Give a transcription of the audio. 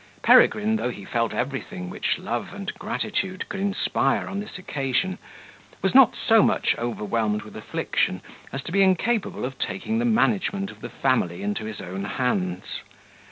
Peregrine, though he felt everything which love and gratitude could inspire on this occasion, was not so much overwhelmed with affliction as to be incapable of taking the management of the family into his own hands.